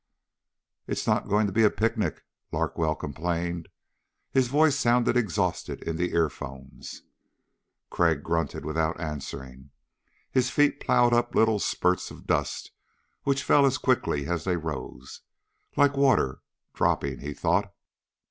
"It's not going to be a picnic," Larkwell complained. His voice sounded exhausted in the earphones. Crag grunted without answering. His feet ploughed up little spurts of dust which fell as quickly as they rose. Like water dropping, he thought.